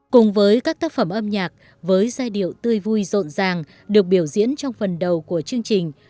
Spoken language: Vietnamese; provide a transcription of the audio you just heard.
cùng với các tác phẩm âm nhạc với giai điệu tươi vui rộn ràng được biểu diễn trong phần đầu của chương trình